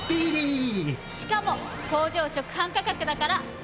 しかも工場直販価格だから。